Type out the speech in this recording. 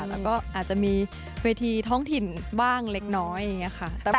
แล้วก็อาจจะมีเวทีท้องถิ่นบ้างเล็กน้อยอย่างนี้ค่ะ